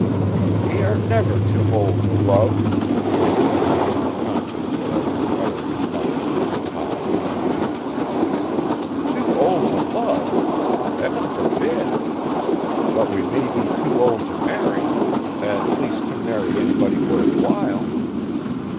"We are never too old to love," I said, conscious that I was uttering a melancholy platitude. "Too old to love? Heaven forbid! But we may be too old to marry at least to marry anybody worth while.